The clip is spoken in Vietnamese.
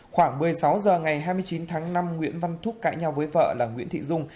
khoảng một mươi sáu h ngày hai mươi chín tháng năm nguyễn văn thúc cãi nhau với vợ là nguyễn thị dung